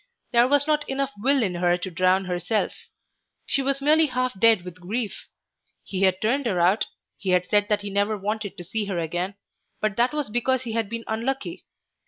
There was not enough will in her to drown herself. She was merely half dead with grief. He had turned her out, he had said that he never wanted to see her again, but that was because he had been unlucky.